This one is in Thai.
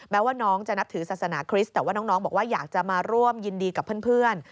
ว่าน้องจะนับถือศาสนาคริสต์แต่ว่าน้องบอกว่าอยากจะมาร่วมยินดีกับเพื่อน